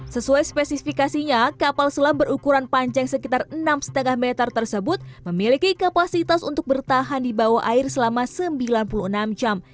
sesuai spesifikasinya kapal selam berukuran panjang sekitar enam lima meter tersebut memiliki kapasitas untuk bertahan di bawah air selama sembilan puluh enam jam